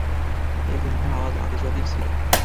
এই ধুমধাম আওয়াজ আতশবাজির ছিলো।